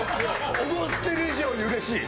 思ってる以上に嬉しい。